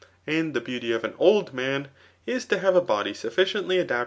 . And the beauty of ah old man, is to have a body sufficiently 80 THB Aar OF